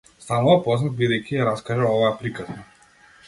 Станува познат бидејќи ја раскажа оваа приказна.